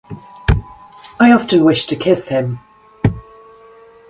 I often wished to kiss him.